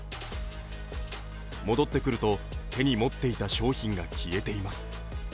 戻ってくると、手に持っていた商品が消えています。